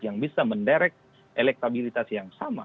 yang bisa menderek elektabilitas yang sama